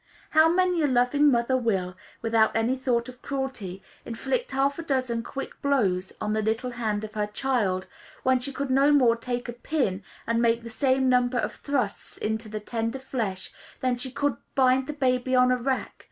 How many a loving mother will, without any thought of cruelty, inflict half a dozen quick blows on the little hand of her child, when she could no more take a pin and make the same number of thrusts into the tender flesh, than she could bind the baby on a rack.